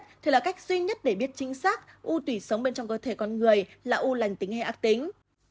sinh thiết là cách duy nhất để biết chính xác u tùy sống bên trong cơ thể con người là u lành tính hay ác tính